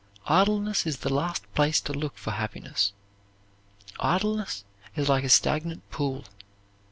Idleness is the last place to look for happiness. Idleness is like a stagnant pool.